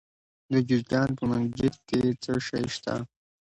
د جوزجان په منګجیک کې څه شی شته؟